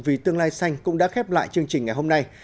vì tương lai xanh cũng đã khép lại chương trình ngày hôm nay